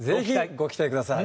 「ご期待ください！」